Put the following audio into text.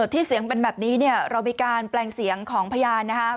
ที่เสียงเป็นแบบนี้เนี่ยเรามีการแปลงเสียงของพยานนะครับ